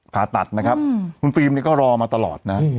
ผ่าตัดนะครับคุณฟิล์มเนี่ยก็รอมาตลอดนะ